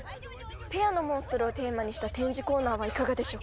ペアのモンストロをテーマにした展示コーナーはいかがでしょうか？